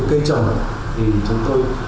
cây trồng thì chúng tôi